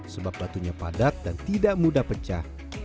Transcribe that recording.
sebab batunya padat dan tidak mudah pecah